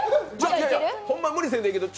ホンマ無理せんでええけど